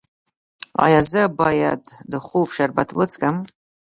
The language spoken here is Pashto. ایا زه باید د خوب شربت وڅښم؟